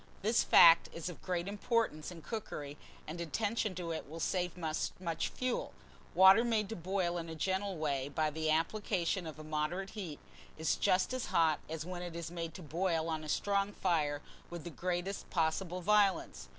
This fact is of great importance in cookery, and attention to it will save much fuel. Water made to boil in a gentle way by the application of a moderate heat is just as hot as when it is made to boil on a strong fire with the greatest possible violence.